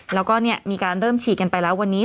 แล้วก็มีการเริ่มฉีดกันไปแล้ววันนี้